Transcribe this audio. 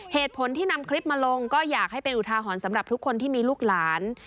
เหตุผลที่นำคลิปมาลงก็อยากให้เป็นอุทาหรณ์สำหรับทุกคนที่มีลูกหลาน